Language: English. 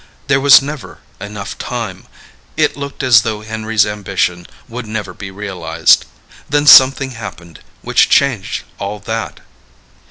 There was never enough time. It looked as though Henry's ambition would never be realized. Then something happened which changed all that.